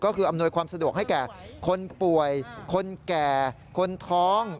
ก็คืออำนวยความสะดวกให้แก่คนป่วยคนแก่คนท้อง